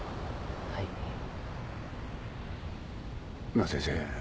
なあ先生。